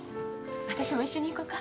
私も一緒に行こか？